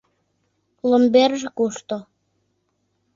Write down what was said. Ломберже кушто -